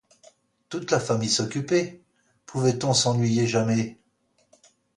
Toute la famille s'occupait ; pouvait-on s'ennuyer jamais ?